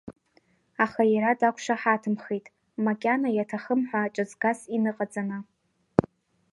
Аха иара дақәшаҳаҭымхеит, макьана иаҭахым ҳәа ҿыҵгас иныҟаҵаны.